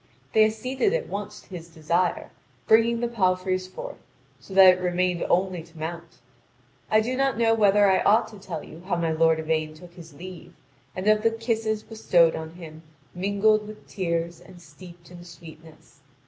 They acceded at once to his desire, bringing the palfreys forth, so that it remained only to mount. I do not know whether I ought to tell you how my lord Yvain took his leave, and of the kisses bestowed on him, mingled with tears and steeped in sweetness.